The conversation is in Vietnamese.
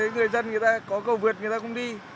người dân có cầu vượt người ta cũng đi